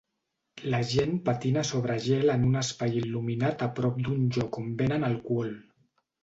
La gent patina sobre gel en un espai il·luminat a prop d'un lloc on venen alcohol.